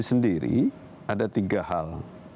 sendiri ada tiga hal